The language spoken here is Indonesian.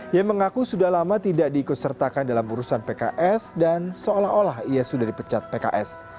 ia mengaku sudah lama tidak diikut sertakan dalam urusan pks dan seolah olah ia sudah dipecat pks